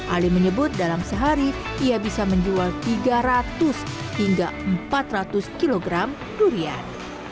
ali menyebut dalam sehari ia bisa menjual tiga ratus hingga empat ratus kg durian